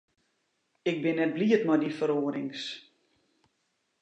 Ik bin net bliid mei dy feroarings.